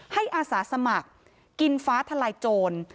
อาสาสมัครกินฟ้าทลายโจร